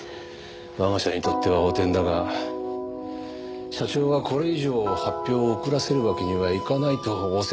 我が社にとっては汚点だが社長はこれ以上発表を遅らせるわけにはいかないと仰せでね。